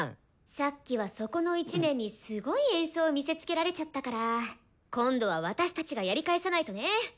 さっきはそこの１年にすごい演奏見せつけられちゃったから今度は私たちがやり返さないとね！